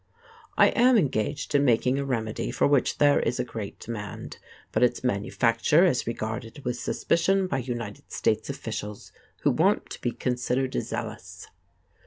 I am engaged in making a remedy for which there is a great demand, but its manufacture is regarded with suspicion by United States officials who want to be considered zealous.